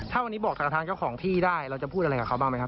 ถ้าวันนี้บอกกับทางเจ้าของที่ได้เราจะพูดอะไรกับเขาบ้างไหมครับ